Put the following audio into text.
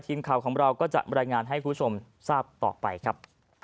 ทีมข่าวของเราก็จะรายงานให้คุณผู้ชมทราบต่อไปครับ